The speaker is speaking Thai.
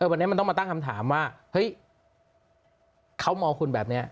วันนี้มันต้องมาตั้งคำถามว่าเฮ้ยเขามองคุณแบบนี้